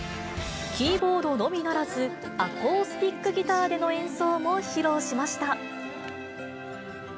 キーボードのみならず、アコースティックギターでの演奏も披露しました。